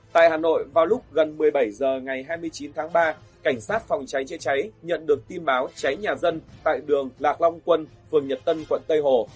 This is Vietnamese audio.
tại hà nội vào lúc gần một mươi bảy h ngày hai mươi chín tháng ba cảnh sát phòng cháy chữa cháy nhận được tin báo cháy nhà dân tại đường lạc long quân phường nhật tân quận tây hồ